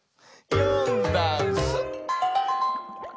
「よんだんす」